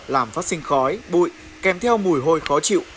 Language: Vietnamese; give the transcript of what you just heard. làm phát sinh khói bụi kèm theo mùi hôi khó chịu